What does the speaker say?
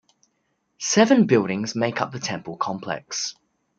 Seven buildings make up the temple complex.